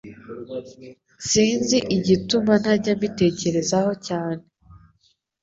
sinz igituma ntajya mbitekereza ho cyane